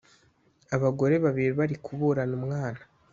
abagore babiri bari kuburana umwana